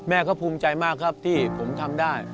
แม่ก็ภูมิใจมากครับที่ผมทำได้